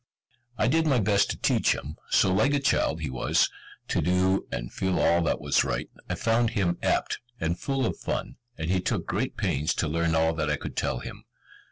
I did my best to teach him, so like a child as he was, to do and feel all that was right, I found him apt, and full of fun; and he took great pains to learn all that I could tell him.